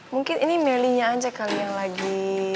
mungkin ini melinya aja kali yang lagi